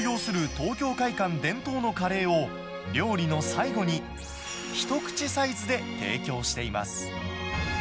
完成までに３日を要する東京會館伝統のカレーを、料理の最後に一口サイズで提供しています。